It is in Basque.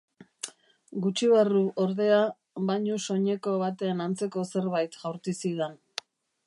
Gutxi barru, ordea, bainu-soineko baten antzeko zerbait jaurti zidan.